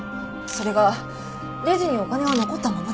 それがレジにお金は残ったままでした。